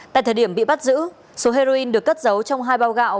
tại thời điểm bị bắt giữ số heroin được cất giấu trong hai bao gạo